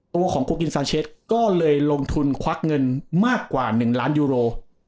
ตัวของโกกินซาเช็ดก็เลยลงทุนควักเงินมากกว่า๑ล้านยูโร